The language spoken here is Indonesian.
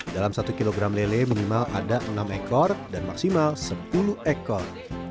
dalam satu kilogram lele minimal ada enam ekor dan maksimal sepuluh ekor